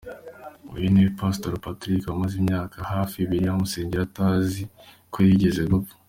Uyu niwe Pasitori Patrick wamaze imyaka hafi ibiri amusengera atazi ko yigeze gupfa.